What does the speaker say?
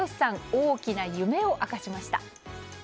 大きな夢を明かしました。